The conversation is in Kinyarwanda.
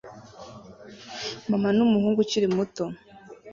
Mama n'umuhungu ukiri muto